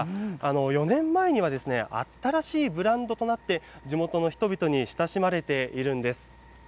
４年前には新しいブランドとなって、地元の人々に親しまれているんです。